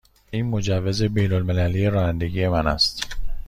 این مجوز بین المللی رانندگی من است.